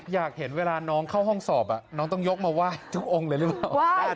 อยากเห็นเวลาน้องเข้าห้องสอบน้องต้องยกมาไหว้ทุกองค์เลยหรือเปล่า